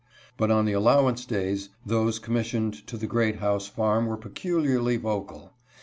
But on the allowance days those commis sioned to the Great House farm were peculiarly vocal.